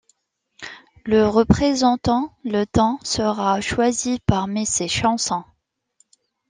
Le représentant letton sera choisi parmi ces chansons.